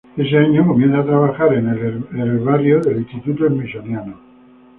Ese año comienza a trabajar en el herbario Smithsonian Institution.